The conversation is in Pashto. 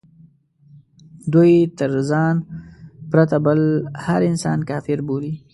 دوی تر ځان پرته بل هر انسان کافر بولي.